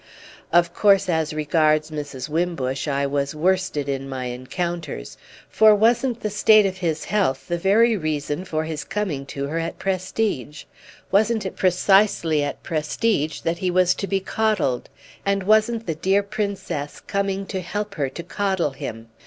Of course, as regards Mrs. Wimbush, I was worsted in my encounters, for wasn't the state of his health the very reason for his coming to her at Prestidge? Wasn't it precisely at Prestidge that he was to be coddled, and wasn't the dear Princess coming to help her to coddle him?